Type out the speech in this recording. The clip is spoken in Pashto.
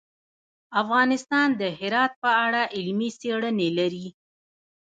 افغانستان د هرات په اړه علمي څېړنې لري.